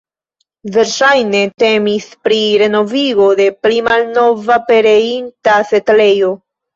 Verŝajne temis pri renovigo de pli malnova pereinta setlejo.